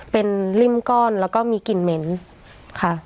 เป็นริ่มก้อนแล้วก็มีกลิ่นเหม็นค่ะ